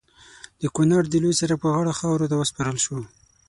د کونړ د لوی سړک پر غاړه خاورو ته وسپارل شو.